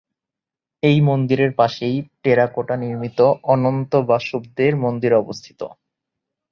এই মন্দিরের পাশেই টেরাকোটা নির্মিত অনন্ত বাসুদেব মন্দির অবস্থিত।